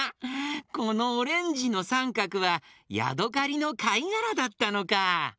このオレンジのさんかくはヤドカリのかいがらだったのか。